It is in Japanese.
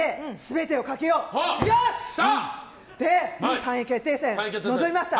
３位決定戦に臨みました。